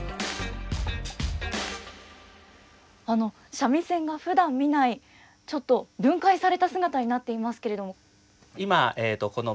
三味線がふだん見ないちょっと分解された姿になっていますけれども。